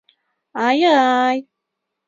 Аай-ай!